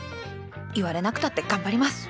言われなくたって頑張ります！